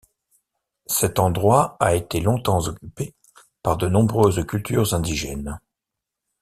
Cet endroit a été longtemps occupé par de nombreuses cultures indigènes.